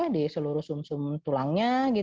di seluruh sum sum tulangnya